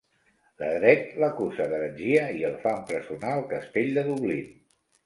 Ledrede l'acusa d'heretgia i el fa empresonar al castell de Dublín.